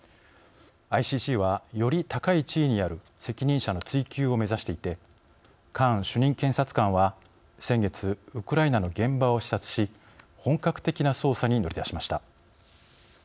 ＩＣＣはより高い地位にある責任者の追及を目指していてカーン主任検察官は先月ウクライナの現場を視察し本格的な捜査に乗り出しました。